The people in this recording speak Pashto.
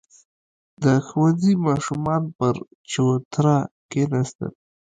• د ښوونځي ماشومان پر چوتره کښېناستل.